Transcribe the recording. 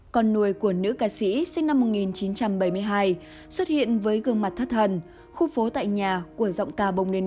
con nuôi của nữ ca sĩ sinh năm một nghìn chín trăm bảy mươi hai xuất hiện với gương mặt thất thần khu phố tại nhà của giọng ca bồng nền